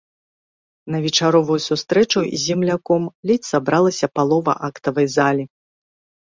На вечаровую сустрэчу з земляком ледзь сабралася палова актавай залі.